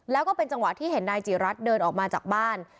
แล้วก็เป็นจังหวะที่เห็นนายจิรัตน์เดินออกมาจากบ้าน